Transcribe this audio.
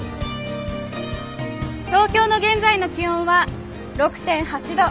東京の現在の気温は６．８度。